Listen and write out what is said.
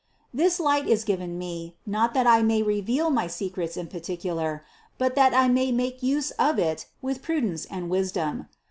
This light is given me, not that I may reveal my secrets in particular, but that I may make use of it with prudence and wisdom.